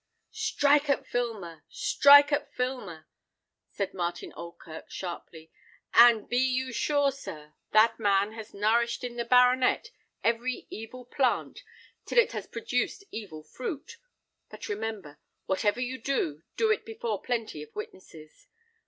"Strike at Filmer, strike at Filmer!" said Martin Oldkirk, sharply; "and be you sure, sir, that man has nourished in the baronet every evil plant, till it has produced evil fruit. But remember, whatever you do, do it before plenty of witnesses.